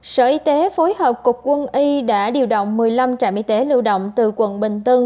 sở y tế phối hợp cục quân y đã điều động một mươi năm trạm y tế lưu động từ quận bình tân